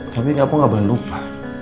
tapi aku gak boleh lupa